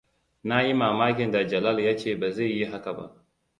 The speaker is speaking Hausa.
Na yi mamakin da Jalal ya ce ba zai yi haka ba.